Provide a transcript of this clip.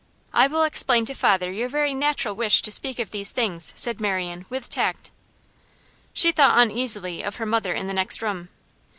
'I will explain to father your very natural wish to speak of these things,' said Marian, with tact. She thought uneasily of her mother in the next room.